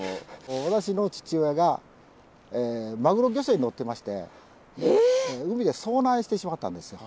私の父親がマグロ漁船に乗ってまして海で遭難してしまったんですよ。